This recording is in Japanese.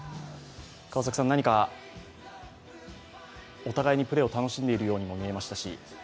川崎さん、何かお互いにプレーを楽しんでいるようにも見えましたし